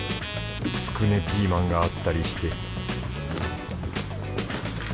つくねピーマンがあったりして